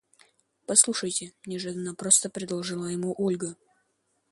– Послушайте, – неожиданно просто предложила ему Ольга.